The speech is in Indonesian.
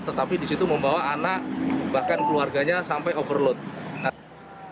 tetapi di situ membawa anak bahkan keluarganya sampai overload